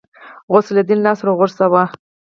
غوث الدين لاس ور وغځاوه.